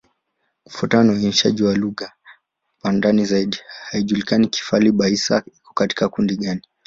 Kufuatana na uainishaji wa lugha kwa ndani zaidi, haijulikani Kifali-Baissa iko katika kundi gani.